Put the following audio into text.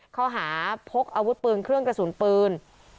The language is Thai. ข้อหาพกอาวุธปืนเครื่องกระสุนปืน